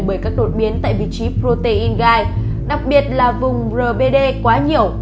bởi các đột biến tại vị trí protein gai đặc biệt là vùng rbd quá nhiều